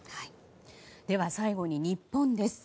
では最後に日本です。